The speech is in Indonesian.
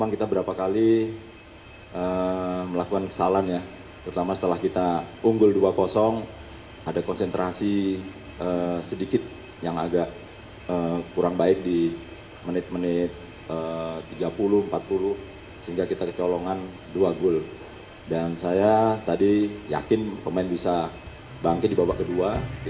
karena itu mereka menang tiga dan malah kami tidak mencapai gol ketiga kami